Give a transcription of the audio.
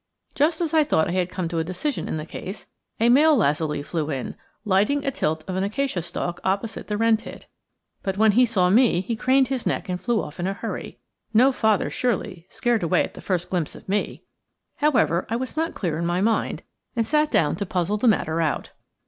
Just as I thought I had come to a decision in the case, a male lazuli flew in, lighting atilt of an acacia stalk opposite the wren tit. But when he saw me he craned his neck and flew off in a hurry no father, surely, scared away at the first glimpse of me! However, I was not clear in my mind, and sat down to puzzle the matter out.